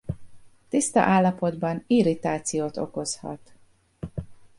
Tiszta állapotban irritációt okozhat.